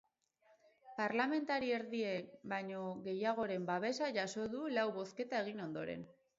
Parlamentari erdien baino gehiagoren babesa jaso du lau bozketa egin ondoren.